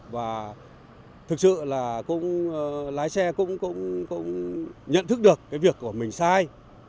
và thực sự là lái xe cũng nhận thức được cái việc của mình sai